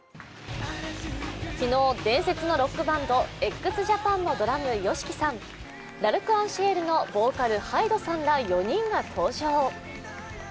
昨日、伝説のロックバンドＸＪＡＰＡＮのドラム・ＹＯＳＨＩＫＩさんＬ’ＡｒｃｅｎＣｉｅｌのボーカル、ＨＹＤＥさんら４人が登場。